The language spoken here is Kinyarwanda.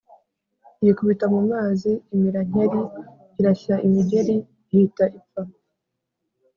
yikubita mu mazi, imira nkeri, irashya imigeri, ihita ipfa